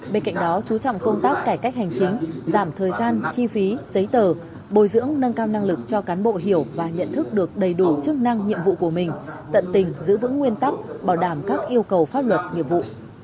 bên cạnh đó chú trọng công tác cải cách hành chính giảm thời gian chi phí giấy tờ bồi dưỡng nâng cao năng lực cho cán bộ hiểu và nhận thức được đầy đủ chức năng nhiệm vụ của mình tận tình giữ vững nguyên tắc bảo đảm các yêu cầu pháp luật nghiệp vụ